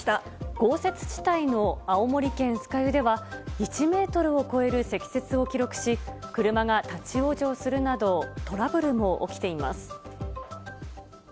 豪雪地帯の青森県酸ヶ湯では、１メートルを超える積雪を記録し、車が立往生するなど、トラブルも起きています。